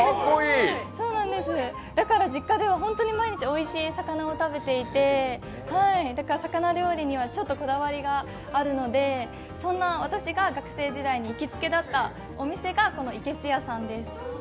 だから実家では本当に毎日おいしい魚を食べていて魚料理にはちょっとこだわりがあるので、そんな私が学生時代に行き着けだったお店がこのいけすやさんです。